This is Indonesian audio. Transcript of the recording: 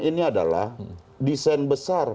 ini adalah desain besar